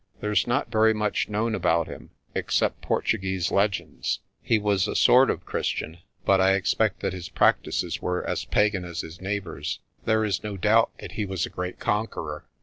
There's not very much known about him, except Portuguese legends. He was a sort of Christian, but I expect that his practices were as pagan as his neighbours'. There is no doubt that he was a great conqueror.